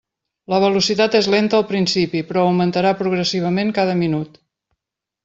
La velocitat és lenta al principi, però augmentarà progressivament cada minut.